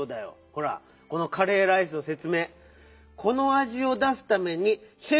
ほらこの「カレーライス」のせつめい。